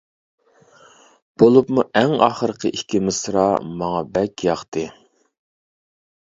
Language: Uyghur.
بولۇپمۇ ئەڭ ئاخىرقى ئىككى مىسرا ماڭا بەك ياقتى.